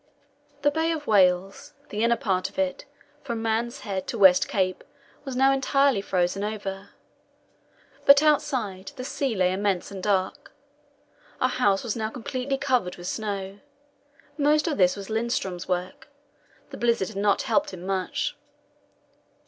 The Bay of Whales the inner part of it, from Man's Head to West Cape was now entirely frozen over, but outside the sea lay immense and dark. Our house was now completely covered with snow. Most of this was Lindström's work; the blizzard had not helped him much.